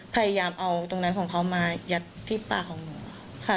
พยายามเอาตรงนั้นของเขามายัดที่ปากของหนูค่ะ